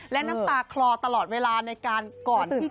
และน้ำตาคลอตลอดเวลาในการกอดพี่